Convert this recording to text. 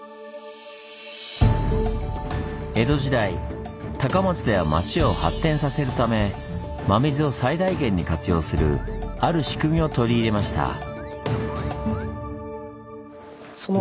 江戸時代高松では町を発展させるため真水を最大限に活用するある仕組みを取り入れました。